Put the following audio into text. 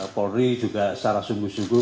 polri juga secara sungguh sungguh